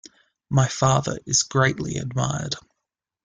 My father is greatly admired.